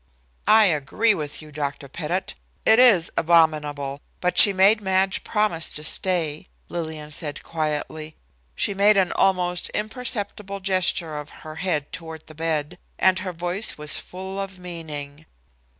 "I agree with you, Dr. Pettit. It is abominable, but she made Madge promise to stay," Lillian said quietly. She made an almost imperceptible gesture of her head toward the bed, and her voice was full of meaning.